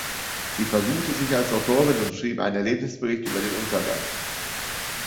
Sie versuchte sich als Autorin und schrieb einen Erlebnisbericht über den Untergang.